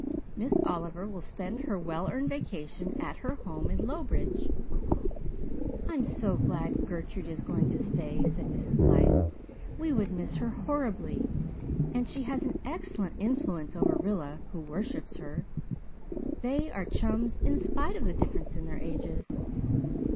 Miss Oliver will spend her well earned vacation at her home in Lowbridge.'" "I'm so glad Gertrude is going to stay," said Mrs. Blythe. "We would miss her horribly. And she has an excellent influence over Rilla who worships her. They are chums, in spite of the difference in their ages."